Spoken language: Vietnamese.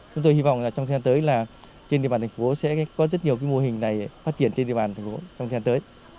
chúng tôi hy vọng trong thời gian tới là trên địa bàn thành phố sẽ có rất nhiều cái mô hình này phát triển trên địa bàn thành phố